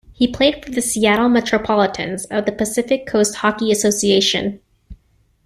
He played for the Seattle Metropolitans of the Pacific Coast Hockey Association.